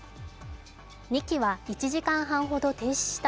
２機は１時間半ほど停止した